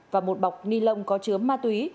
và một bọc ni lông có chướm ma túy